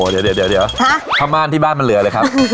เดี๋ยวผ้าม่านที่บ้านมันเหลือเลยครับ